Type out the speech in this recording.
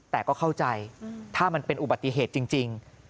แต่ก็เข้าใจถ้ามันเป็นอุบัติเหตุจริง